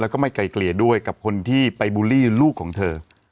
แล้วก็ไม่ไกลเกลี่ยด้วยกับคนที่ไปบูลลี่ลูกของเธอ